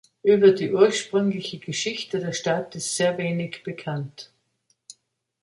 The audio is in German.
Über die ursprüngliche Geschichte der Stadt ist sehr wenig bekannt.